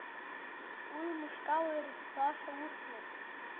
Уи мышкала ирӡбаша усмызт.